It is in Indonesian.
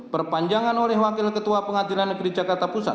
perpanjangan oleh wakil ketua pengadilan negeri jakarta pusat